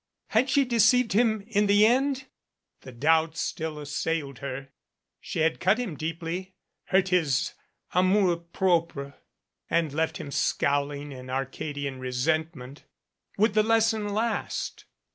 Had she deceived him in the end? The doubt still assailed her. She had cut him deeply, hurt his amour propre and left him scowling in Arcadian re sentment. Would the lesson last?